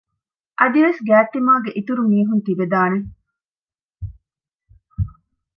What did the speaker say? އަދިވެސް ގާތްތިމާގެ އިތުރު މީހުން ތިބެދާނެ